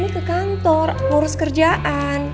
ke kantor urus kerjaan